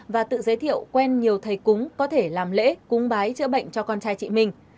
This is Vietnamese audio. và tự giới thiệu quen nhiều thầy cúng có thể làm lễ cúng bái chữa bệnh cho con trai chị minh